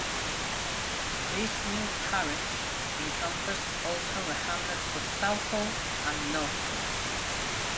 This new parish encompassed also the hamlets of Southall and Northcotte.